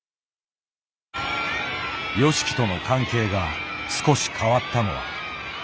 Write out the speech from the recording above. ＹＯＳＨＩＫＩとの関係が少し変わったのは。